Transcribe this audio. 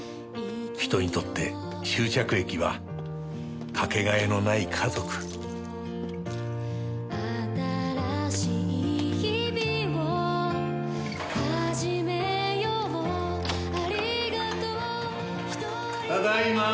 人にとって終着駅はかけがえのない家族ただいまー！